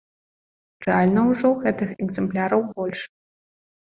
Рэальна ўжо гэтых экземпляраў больш.